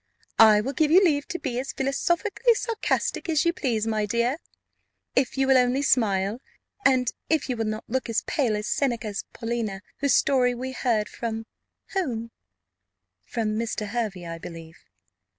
"I will give you leave to be as philosophically sarcastic as you please, my dear, if you will only smile, and if you will not look as pale as Seneca's Paulina, whose story we heard from whom?" "From Mr. Hervey, I believe."